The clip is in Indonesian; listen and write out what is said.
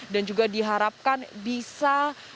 dan juga diharapkan bisa